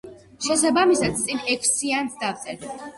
შესაბამისად წინ ექვსიანს დავწერთ.